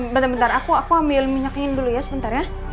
bentar bentar aku ambil minyakin dulu ya sebentar ya